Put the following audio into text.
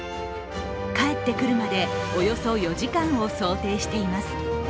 帰ってくるまで、およそ４時間を想定しています。